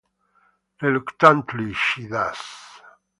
Reluctantly she does.